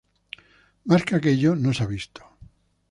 Más que aquello no se ha visto.